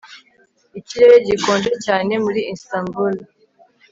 Ikirere gikonje cyane muri Istanbul